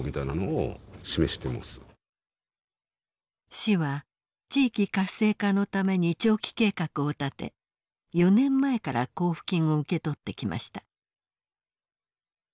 市は地域活性化のために長期計画を立て４年前から交付金を受け取ってきました。